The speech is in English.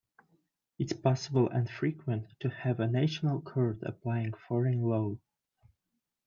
It is possible and frequent to have a national court applying foreign law.